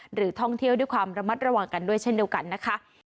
หรือท่องเที่ยวด้วยความระมัดระวังกันด้วยเช่นเดียวกันนะคะ